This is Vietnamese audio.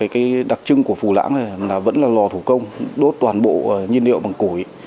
cái đặc trưng của phù lãng này vẫn là lò thủ công đốt toàn bộ nhiên liệu bằng củi